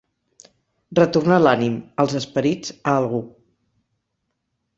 Retornar l'ànim, els esperits, a algú.